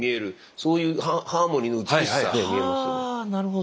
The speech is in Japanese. そういうハーモニーの美しさ。はなるほど！